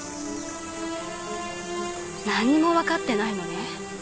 何にも分かってないのね。